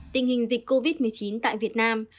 tình hình dịch covid một mươi chín tại việt nam